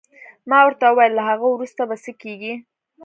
ما ورته وویل: له هغه وروسته به څه کېږي؟